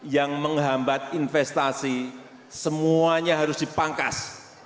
yang menghambat investasi semuanya harus dipangkas